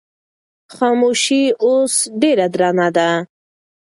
خاموشي اوس ډېره درنه ده.